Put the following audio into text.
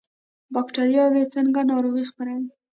بکتریاوې څنګه ناروغي خپروي؟